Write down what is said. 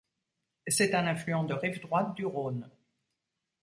C'est un affluent de rive droite du Rhône.